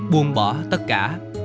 buông bỏ tất cả